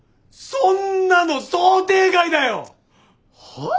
そんなの想定外だよ！は？